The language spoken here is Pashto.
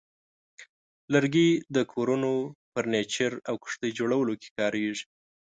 لرګي د کورونو، فرنیچر، او کښتۍ جوړولو کې کارېږي.